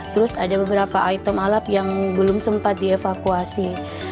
terus ada beberapa item alap yang belum sempat dievakuasi